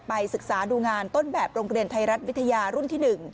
ศึกษาดูงานต้นแบบโรงเรียนไทยรัฐวิทยารุ่นที่๑